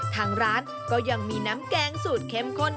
ทางร้านก็ยังมีน้ำแกงสูตรเข้มข้น